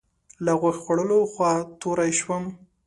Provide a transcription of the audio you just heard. له غوښې خوړلو خوا توری شوم.